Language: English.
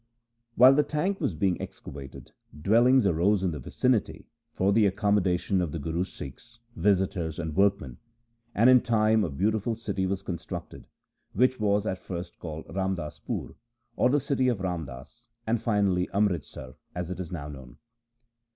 While the tank was being excavated, dwellings arose in the vicinity for the accommodation of the Guru's Sikhs, visitors, and workmen ; and in time a beautiful city was constructed, which was at first called Ramdaspur, 1 or the city of Ram Das, and finally Amritsar, as it is now known.